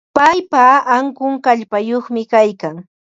Paypa ankun kallpayuqmi kaykan.